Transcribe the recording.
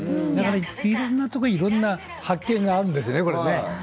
いろんなところにいろんな発見があるんですね。